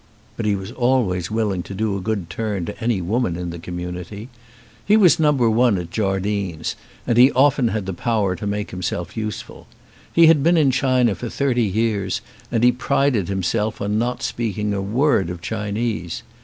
But he was always willing to do a good turn to any woman in the community. He was number one at Jardine's, and he often had the power to make himself useful. He had been in China for thirty years, and he prided himself on not speaking a word of Chinese.